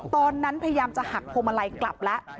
ตอนนั้นพยายามจะหักโพมะไลกลับแล้ว